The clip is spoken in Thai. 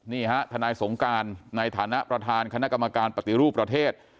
นี่ฮะทนายสงการในฐานะประธานคณะกรรมการปฏิรูปประเทศ